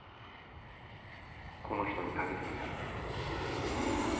この人に懸けてみない？